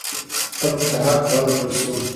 خلکو ته حق ورکړل شو.